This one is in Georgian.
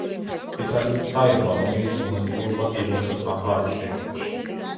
ეს არის ღვთაება, რომელიც მონაწილეობას იღებდა სამყაროს შექმნაში.